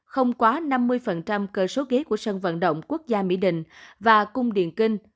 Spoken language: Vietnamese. không quá năm mươi cơ số ghế của sân vận động quốc gia mỹ đình và cung điện kinh